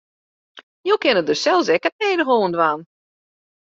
Jo kinne dêr sels ek it nedige oan dwaan.